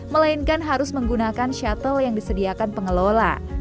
melainkan harus menggunakan shuttle yang disediakan pengelola